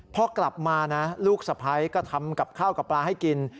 พอกลับมานะลูกสะพ้ายก็ทำกับข้าวกับปลาให้กิน